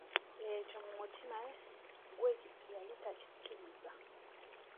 Ekyo mu mutima gwe yali takikkiriza.